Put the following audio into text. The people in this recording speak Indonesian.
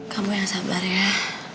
kamu yang sabar ya